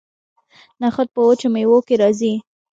نخود په وچو میوو کې راځي.